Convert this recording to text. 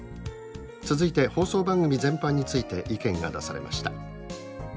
続いて放送番組全般について意見が出されました。